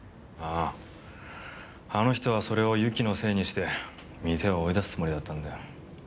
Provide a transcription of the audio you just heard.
あああの人はそれを友紀のせいにして店を追い出すつもりだったんだよ